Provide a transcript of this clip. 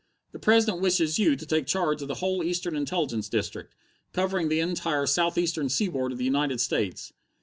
The President wishes you to take charge of the whole Eastern Intelligence District, covering the entire south eastern seaboard of the United States.